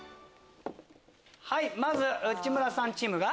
まず内村さんチームが。